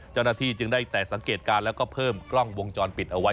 เจ้าหน้าที่จึงได้แต่สังเกตการณ์แล้วก็เพิ่มกล้องวงจรปิดเอาไว้